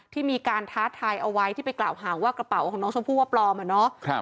ที่มีการท้าทายเอาไว้ที่ไปกล่าวหาว่ากระเป๋าของน้องชมพู่ว่าปลอมอะเนาะ